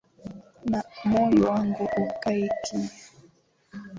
Moyo wangu ukae kimya,